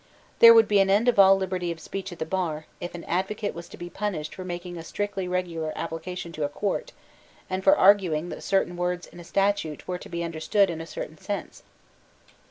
There would be an end of all liberty of speech at the bar, if an advocate was to be punished for making a strictly regular application to a Court, and for arguing that certain words in a statute were to be understood in a certain sense.